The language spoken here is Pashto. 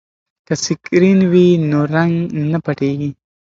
که سکرین وي نو رنګ نه پټیږي.